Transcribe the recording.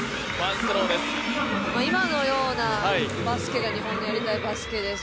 今のようなバスケが日本のやりたいバスケです。